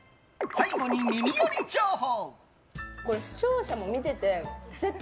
最後に耳寄り情報。